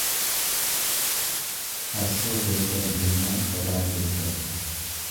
Farsoo geeddari jennaan qodaa geeddarte.